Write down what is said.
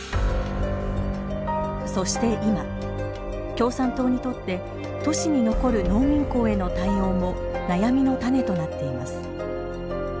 共産党にとって都市に残る農民工への対応も悩みのタネとなっています。